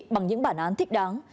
bằng những bản án thích đáng